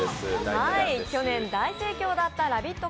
去年、大盛況だったラヴィット！